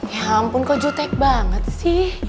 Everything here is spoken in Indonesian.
ya ampun kok jutek banget sih